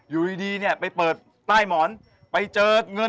อยู่ดีเนี่ยไปเปิดใต้หมอนไปเจอเงิน